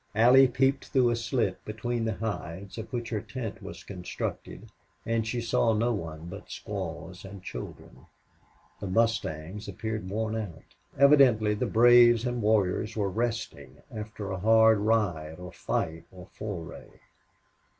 Allie peeped through a slit between the hides of which her tent was constructed, and she saw no one but squaws and children. The mustangs appeared worn out. Evidently the braves and warriors were resting after a hard ride or fight or foray.